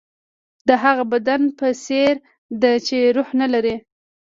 د هغه بدن په څېر ده چې روح نه لري.